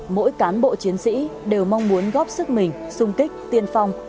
mỗi cán bộ chiến sĩ đều mong muốn góp sức mình sung kích tiên phong